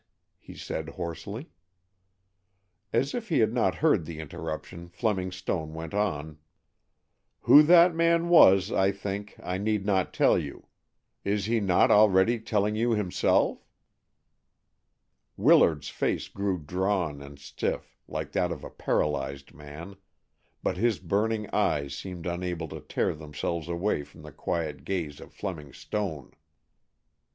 he said hoarsely. As if he had not heard the interruption, Fleming Stone went on: "Who that man was, I think I need not tell you. Is he not already telling you himself?" Willard's face grew drawn and stiff, like that of a paralyzed man, but his burning eyes seemed unable to tear themselves away from the quiet gaze of Fleming Stone.